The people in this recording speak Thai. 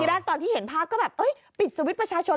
แรกตอนที่เห็นภาพก็แบบปิดสวิตช์ประชาชน